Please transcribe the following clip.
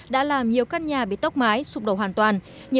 đã làm nhiều căn nhà bị tốc mái sụp đổ hoàn toàn